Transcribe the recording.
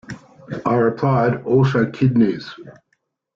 I replied: 'also kidneys'.